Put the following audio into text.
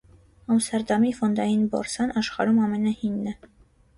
Ամստերդամի ֆոնդային բորսան աշխարհում ամենահինն է։